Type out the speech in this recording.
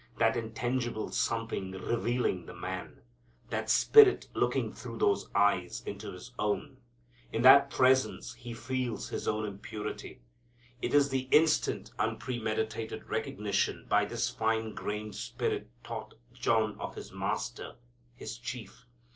That intangible something revealing the man! That spirit looking through those eyes into his own! In that presence he feels his own impurity. It is the instant unpremeditated recognition by this fine grained Spirit taught John of his Master, his Chief.